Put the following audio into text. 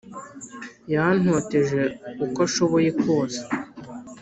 yantoteje uko ashoboye kwose